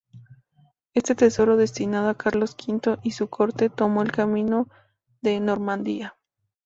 Este tesoro, destinado a Carlos V y su corte, tomó el camino de Normandía.